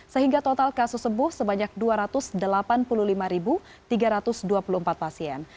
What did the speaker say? sehingga total kasus sembuh sebanyak dua ratus delapan puluh lima tiga ratus dua puluh empat pasien